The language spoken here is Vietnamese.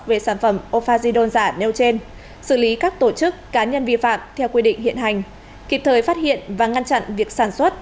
về sản phẩm offajidon giả nêu trên xử lý các tổ chức cá nhân vi phạm theo quy định hiện hành kịp thời phát hiện và ngăn chặn việc sản xuất